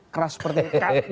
keras seperti itu